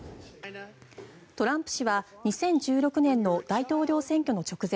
トランプ氏は２０１６年の大統領選挙の直前